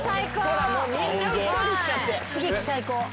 ほらみんなうっとりしちゃって。